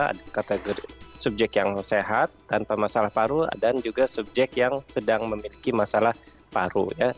ada kategori subjek yang sehat tanpa masalah paru dan juga subjek yang sedang memiliki masalah paru